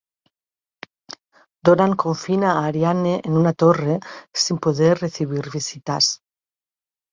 Doran confina a Arianne en una torre sin poder recibir visitas.